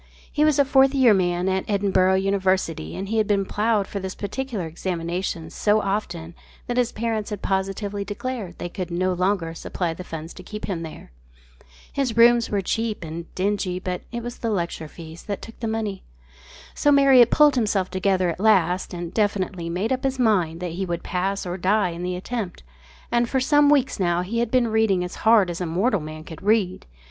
He was a "Fourth Year Man" at Edinburgh University and he had been ploughed for this particular examination so often that his parents had positively declared they could no longer supply the funds to keep him there. His rooms were cheap and dingy, but it was the lecture fees that took the money. So Marriott pulled himself together at last and definitely made up his mind that he would pass or die in the attempt, and for some weeks now he had been reading as hard as mortal man can read.